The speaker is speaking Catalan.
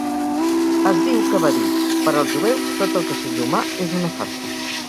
Es diu que va dir: "Per al jueu, tot el que sigui humà és una farsa".